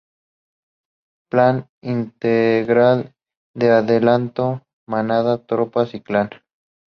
Plan Integral de adelanto: Manada, Tropas y Clan.